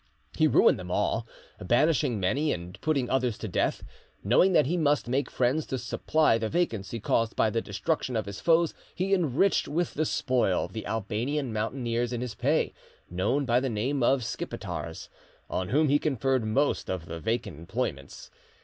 He ruined them all, banishing many and putting others to death. Knowing that he must make friends to supply the vacancy caused by the destruction of his foes, he enriched with the spoil the Albanian mountaineers in his pay, known by the name of Skipetars, on whom he conferred most of the vacant employments.